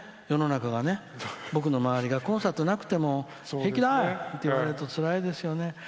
世の中がね、僕の周りがコンサートなくても平気だって言われるとつらいですよね。